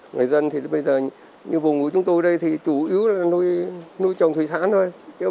người dân thì bây giờ như vùng của chúng tôi đây thì chủ yếu là nuôi trồng thủy sản thôi